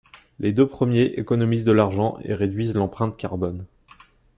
Les deux premiers économisent de l'argent et réduisent l'empreinte carbone.